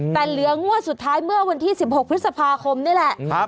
แต่เหลืองวดสุดท้ายเมื่อวันที่๑๖พฤษภาคมนี่แหละ